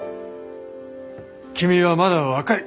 君はまだ若い。